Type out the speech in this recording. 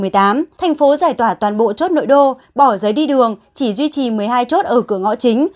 thành phố giải tỏa toàn bộ chốt nội đô bỏ giấy đi đường chỉ duy trì một mươi hai chốt ở cửa ngõ chính